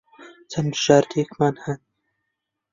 چەند بژاردەیەکمان ھەن.